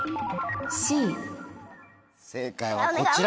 正解はこちら。